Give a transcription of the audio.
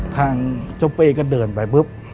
ทางเจ้าเป๊ก็เดินไป